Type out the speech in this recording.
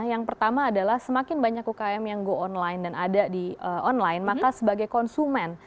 yang pertama adalah semakin banyak ukm yang go online dan ada di online maka sebagai konsumen